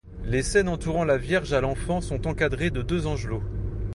Les scènes entourant la Vierge à l'Enfant sont encadrées de deux angelots.